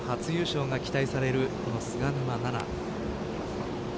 今シーズン初優勝が期待される菅沼菜々。